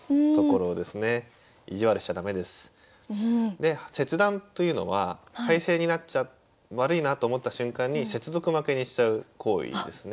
で「切断」というのは敗勢になった悪いなと思った瞬間に接続負けにしちゃう行為ですね。